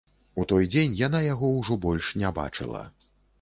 У той дзень яна яго ўжо больш не бачыла.